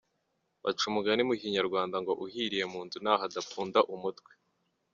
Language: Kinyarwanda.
Baca umugani mu Kinyarwanda ngo uhiriye mu nzu ntaho adapfunda umutwe.